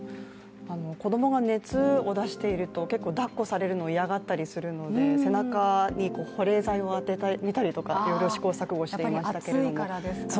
子供が熱を出していると、結構抱っこされるのを嫌がられるので背中に保冷剤を当ててみたりとかいろいろ試行錯誤していましたけれども。